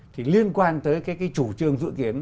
thì liên quan tới cái chủ trương dự kiến